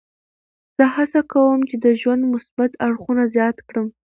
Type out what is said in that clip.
زه هڅه کوم چې د ژوند مثبت اړخونه زیات کړم.